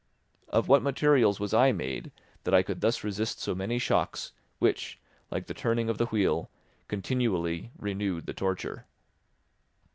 Of what materials was I made that I could thus resist so many shocks, which, like the turning of the wheel, continually renewed the torture?